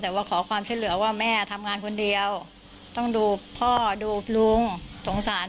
แต่ว่าขอความช่วยเหลือว่าแม่ทำงานคนเดียวต้องดูพ่อดูลุงสงสาร